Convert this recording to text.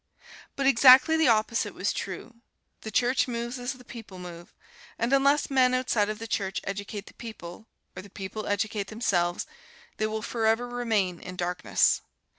But exactly the opposite was true; the Church moves as the people move, and unless men outside of the Church educate the people, or the people educate themselves, they will forever remain in darkness.